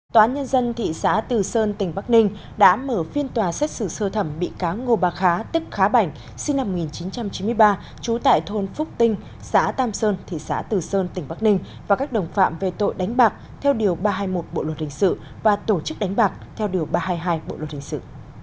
tòa án nhân dân thị xã từ sơn tỉnh bắc ninh đã mở phiên tòa xét xử sơ thẩm bị cá ngô bà khá tức khá bảnh sinh năm một nghìn chín trăm chín mươi ba trú tại thôn phúc tinh xã tam sơn thị xã từ sơn tỉnh bắc ninh và các đồng phạm về tội đánh bạc theo điều ba trăm hai mươi một bộ luật hình sự và tổ chức đánh bạc theo điều ba trăm hai mươi hai bộ luật hình sự